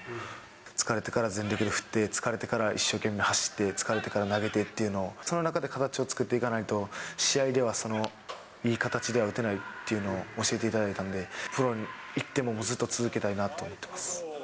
疲れてから全力で振って、疲れてから一生懸命走って、疲れてから投げてっていうのを、その中で形を作っていかないと、試合ではそのいい形では打てないっていうのを教えていただいたんで、プロに行っても、もうずっと続けたいなと思ってます。